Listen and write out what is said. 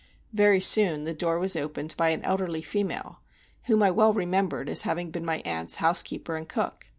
Very soon the door was opened by an elderly female, whom I well remembered as having been my aunt's housekeeper and cook.